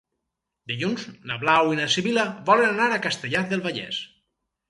Dilluns na Blau i na Sibil·la volen anar a Castellar del Vallès.